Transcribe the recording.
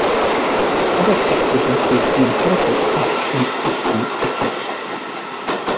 Other taxes include the inheritance tax and custom duties.